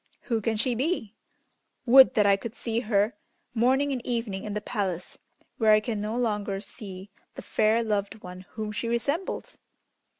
Who can she be? Would that I could see her morning and evening in the palace, where I can no longer see the fair loved one whom she resembles!"